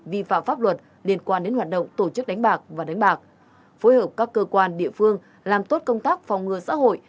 vi phạm pháp luật liên quan đến hoạt động tổ chức đánh bạc và đánh bạc phối hợp các cơ quan địa phương làm tốt công tác phòng ngừa xã hội